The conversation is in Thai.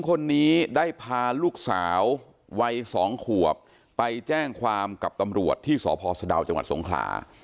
คนนี้ได้พาลูกสาววัย๒ขวบไปแจ้งความกับตำรวจที่สพสะดาวจังหวัดสงขลา